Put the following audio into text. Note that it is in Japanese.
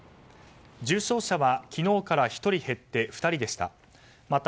重症者は昨日から１人減って２人でした。